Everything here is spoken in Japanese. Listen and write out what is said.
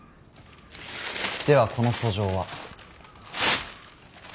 ではこの訴状は。